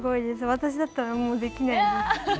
私だったらできないです。